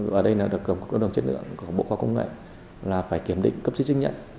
ở đây là đồng chức năng chất lượng của bộ khoa công nghệ là phải kiểm định cấp trí chức nhận